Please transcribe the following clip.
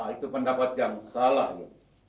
pak itu pendapat yang salah ya